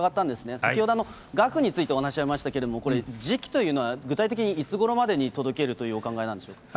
先ほど額について、お話ありましたけれども、これ、時期というのは、具体的にいつごろまでに届けるというお考えなんでしょうか。